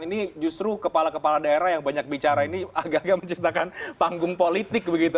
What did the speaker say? ini justru kepala kepala daerah yang banyak bicara ini agak agak menciptakan panggung politik begitu